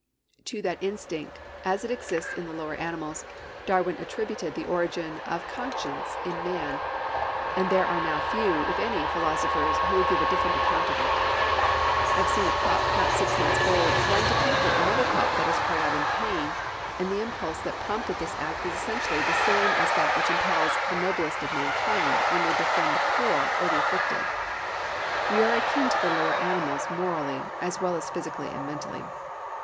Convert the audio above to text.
To that instinct, as it exists in the lower animals, Darwin attributed the origin of conscience in man; and there are now few, if any, philosophers who would give a different account of it. I have seen a pup not six months old run to comfort another pup that cried out from pain; and the impulse that prompted this act was essentially the same as that which impels the noblest of mankind when they befriend the poor or the afflicted. We are akin to the lower animals morally, as well as physically and mentally.